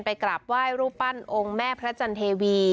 กราบไหว้รูปปั้นองค์แม่พระจันเทวี